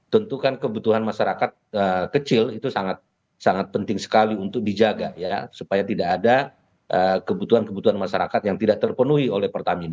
tentu kan kebutuhan masyarakat kecil itu sangat penting sekali untuk dijaga ya supaya tidak ada kebutuhan kebutuhan masyarakat yang tidak terpenuhi oleh pertamina